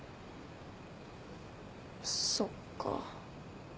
そっか。